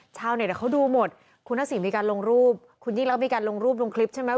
ชาวเน็ตเขาดูหมดคุณทักษิณมีการลงรูปคุณยิ่งรักมีการลงรูปลงคลิปใช่ไหม